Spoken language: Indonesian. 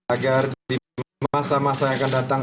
agar di masa masa yang akan datang